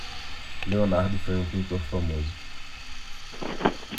Leonardo foi um pintor famoso.